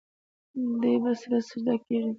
دے به سر پۀ سجده کيږدي